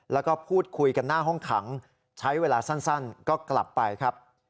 แล้วก็พูดคุยกันหน้าห้องขังใช้เวลาสั้นก็กลับไปครับ